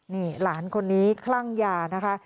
นี่หลานคนนี้คลั่งยานะคะ